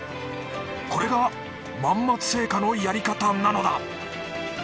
これが万松青果のやり方なのだ。